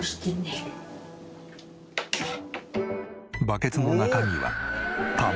バケツの中身は卵。